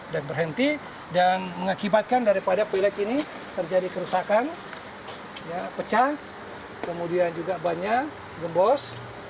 dan berhenti dan mengakibatkan daripada pelik ini terjadi kerusakan pecah kemudian juga bannya gembos